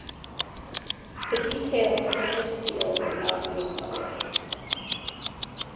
The details of this deal were not made public.